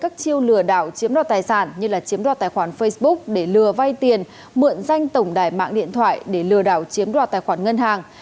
các chiêu lửa đảo chiếm đo tài sản như chiếm đo tài khoản facebook để lừa vay tiền mượn danh tổng đài mạng điện thoại để lừa đảo chiếm đo tài khoản ngân hàng